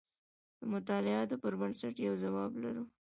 د مطالعاتو پر بنسټ یو ځواب لرو.